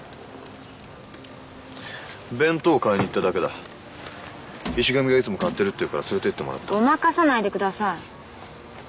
弁当を買いに行っただけだ石神がいつも買ってるっていうからつれてってごまかさないでください